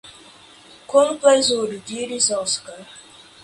Kun plezuro, diris Oskar.